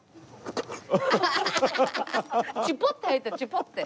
「チュポッ」って入った「チュポッ」って。